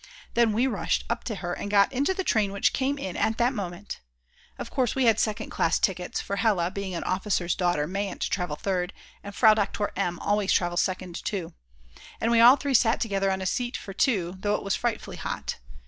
Then we rushed up to her and got into the train which came in at that moment. Of course we had second class tickets, for Hella, being an officer's daughter, mayn't travel third, and Frau Doktor M. always travels second too. And we all three sat together on a seat for two, though it was frightfully hot.